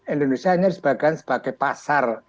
indonesia hanya sebagai pasar